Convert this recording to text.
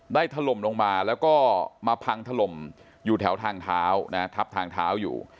ถล่มลงมาแล้วก็มาพังถล่มอยู่แถวทางเท้านะทับทางเท้าอยู่